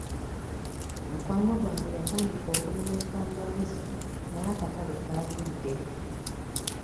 Mukwano gwange yatandika okulima entangawuuzi naye akatale kaagudde.